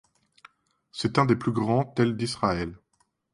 C'est un des plus grands tels d'Israël.